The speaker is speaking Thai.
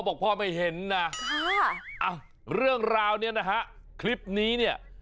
บอกพ่อไม่เห็นนะเรื่องราวเนี่ยนะฮะคลิปนี้เนี่ย